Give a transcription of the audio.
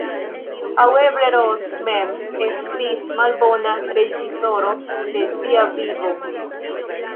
Aŭ eble Ros mem estis malbona reĝisoro de sia vivo.